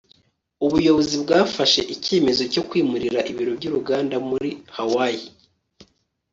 ubuyobozi bwafashe icyemezo cyo kwimurira ibiro by'uruganda muri hawaii